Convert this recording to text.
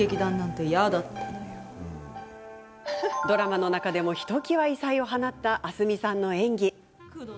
ドラマの中でひときわ異彩を放った明日海さんの演技。